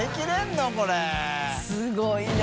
すごいな。